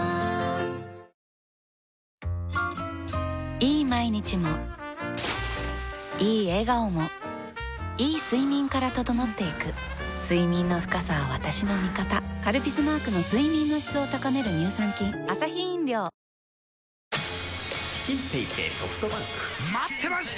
いい毎日もいい笑顔もいい睡眠から整っていく睡眠の深さは私の味方「カルピス」マークの睡眠の質を高める乳酸菌チチンペイペイソフトバンク！待ってました！